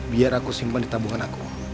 biar aku simpan di tabungan aku